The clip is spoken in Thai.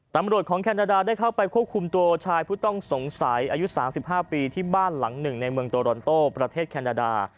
ตำรวจของแคนาดาได้เข้าไปควบคุมตัวชายผู้ต้องสงสัยอายุ๓๕ปีที่บ้านหลังหนึ่งในเมืองโตรอนโต้ประเทศแคนาดา